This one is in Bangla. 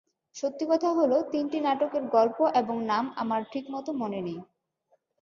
সত্যি কথা হলো, তিনটি নাটকের গল্প এবং নাম আমার ঠিকমতো মনে নেই।